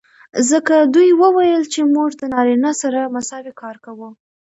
ځکه دوي وويل چې موږ د نارينه سره مساوي کار کو.